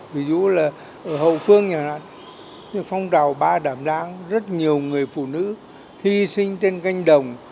ví dụ là ở hậu phương nhà nạ phong trào ba đảm đáng rất nhiều người phụ nữ hy sinh trên canh đồng